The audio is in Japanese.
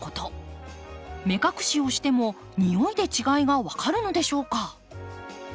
目隠しをしてもにおいで違いが分かるのでしょうか？